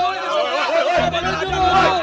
bagaimana aja lo